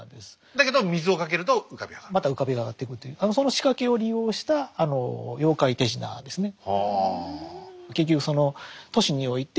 だけどまた浮かび上がってくるというその仕掛けを利用した妖怪手品ですね。